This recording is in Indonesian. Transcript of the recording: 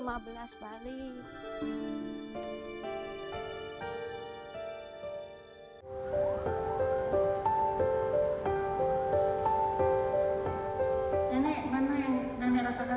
dan merasa sakit nih yang mana yang sakit